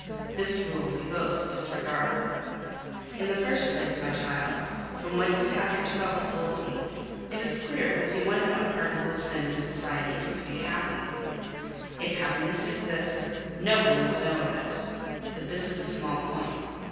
This rule you both disregard. In the first place, my child, from what you have yourself told me, it is clear that the one unpardonable sin in society is to be happy. If happiness exists, no one must know of it. But this is a small point.